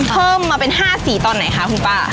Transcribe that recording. เพิ่มมาเป็น๕สีตอนไหนคะคุณป้า